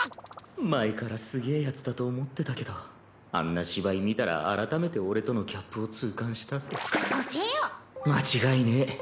前からすげぇヤツだと思ってたけどあんな芝居見たら改めて俺とのギャップを間違いねぇ。